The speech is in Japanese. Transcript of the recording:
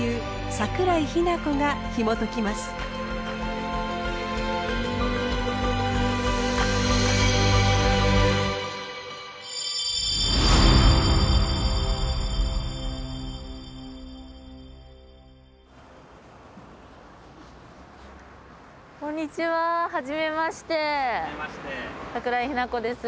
桜井日奈子です。